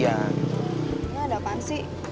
ya ada apaan sih